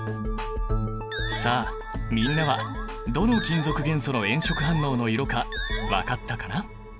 さあみんなはどの金属元素の炎色反応の色か分かったかな？